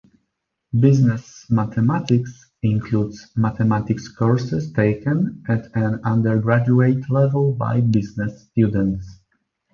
"Business Mathematics" includes mathematics courses taken at an undergraduate level by business students.